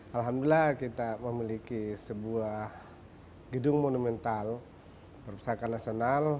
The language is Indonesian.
alhamdulillah kita memiliki sebuah gedung monumental perpustakaan nasional